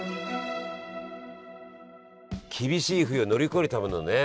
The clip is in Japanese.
厳しい冬を乗り越えるためのね